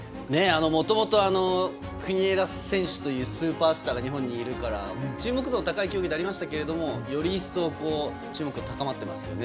もともと、国枝選手というスーパースターが日本にいるから、注目度の高い競技ではありましたけれどもより一層、注目度高まってますよね。